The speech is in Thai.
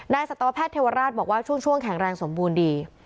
สัตวแพทย์เทวราชบอกว่าช่วงแข็งแรงสมบูรณ์ดี